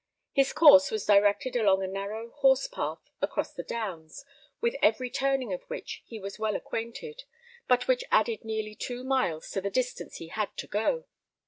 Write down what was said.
His course was directed along a narrow horse path across the downs, with every turning of which he was well acquainted, but which added nearly two miles to the distance he had to go.